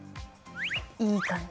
いい感じ。